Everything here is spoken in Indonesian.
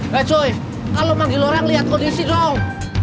kalau mau di orang lihat kondisi dong